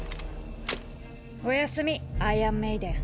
おやすみアイアンメイデン。